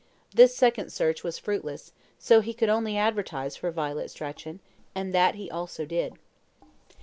This second search was fruitless, so he could only advertise for Violet Strachan, and that he also did.